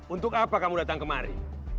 untuk apa kamu datang kemari